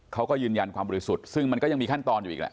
เขาก็ยืนยันความบริสุทธิ์ซึ่งมันก็ยังมีขั้นตอนอยู่อีกแหละ